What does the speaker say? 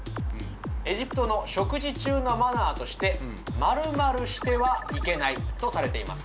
エジプトの食事中のマナーとして○○してはいけないとされています